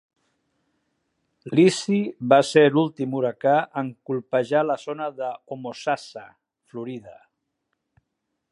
L'Easy va ser l'últim huracà en colpejar la zona de Homosassa, Florida.